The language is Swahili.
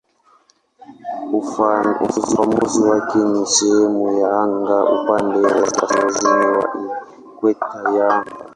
Ufafanuzi wake ni "sehemu ya anga upande wa kaskazini wa ikweta ya anga".